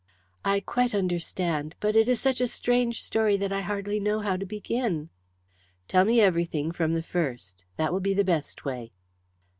"I quite understand. But it is such a strange story that I hardly know how to begin." "Tell me everything from the first. That will be the best way."